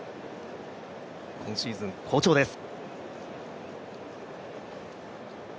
今シーズン好調です。